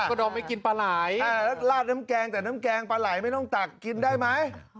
ก็ดอมไม่กินปลาไหลแล้วลาดน้ำแกงแต่น้ำแกงปลาไหลไม่ต้องตักกินได้ไหม